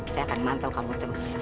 saya akan mantau kamu terus